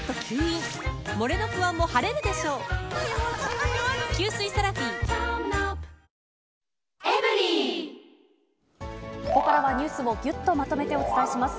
事故ではなく、ここからはニュースをぎゅっとまとめてお伝えします。